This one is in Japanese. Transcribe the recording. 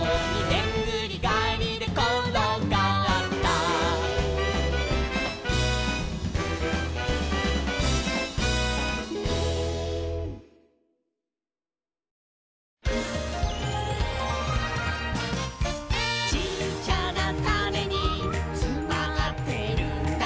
「でんぐりがえりでころがった」「ちっちゃなタネにつまってるんだ」